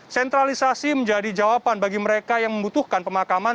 sentralisasi menjadi jawaban bagi mereka yang membutuhkan pemakaman